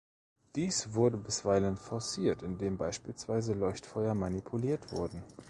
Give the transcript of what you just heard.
Dies wurde bisweilen forciert, indem beispielsweise Leuchtfeuer manipuliert wurden.